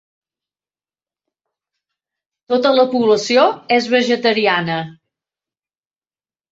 Tota la població és vegetariana.